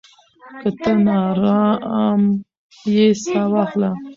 که ته ناارام يې، ساه واخله.